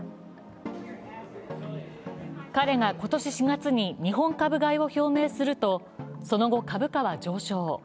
彼が今年４月に日本株買いを表明すると、その後株価は上昇。